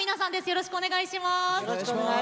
よろしくお願いします。